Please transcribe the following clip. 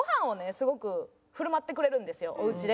すごく振る舞ってくれるんですよおうちで。